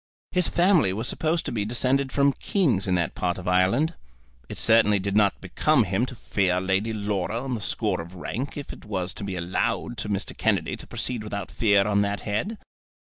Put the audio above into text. His family was supposed to be descended from kings in that part of Ireland. It certainly did not become him to fear Lady Laura on the score of rank, if it was to be allowed to Mr. Kennedy to proceed without fear on that head.